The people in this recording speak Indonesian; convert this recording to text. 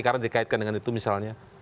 karena dikaitkan dengan itu misalnya